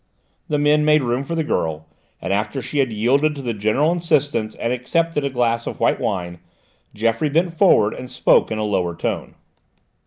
The men made room for the girl, and after she had yielded to the general insistence and accepted a glass of white wine, Geoffroy bent forward and spoke in a lower tone.